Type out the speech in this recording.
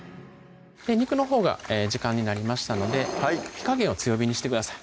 肉のほうが時間になりましたので火加減を強火にしてください